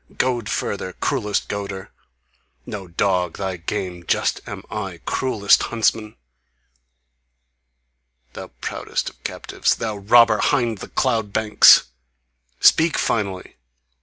Goad further! Cruellest goader! No dog thy game just am I, Cruellest huntsman! Thy proudest of captives, Thou robber 'hind the cloud banks... Speak finally!